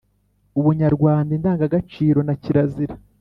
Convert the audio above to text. ubunyarwanda indangagaciro na kirazira